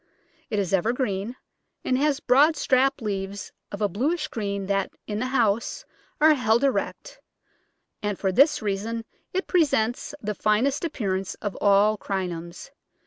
It is evergreen, and has broad strap leaves of a bluish green that, in the house, are held erect, and for this reason it presents the finest appearance of all Crinums.